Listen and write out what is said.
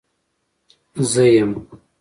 زه يم.